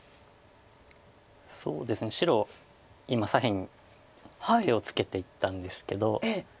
白今左辺に手をつけていったんですけど。